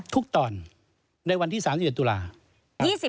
ทุกตอนในวันที่๓๐เดือนตุลาคม